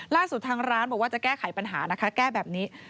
ทางร้านบอกว่าจะแก้ไขปัญหานะคะแก้แบบนี้